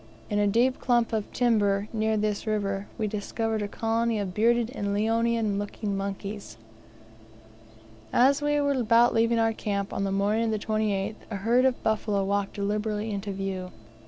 In a deep clump of timber near this river we discovered a colony of bearded and leonine looking monkeys. As we were about leaving our camp on the morning of the 28th a herd of buffalo walked deliberately into view.